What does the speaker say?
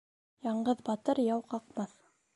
Яңғыҙ батыр яу ҡаҡмаҫ.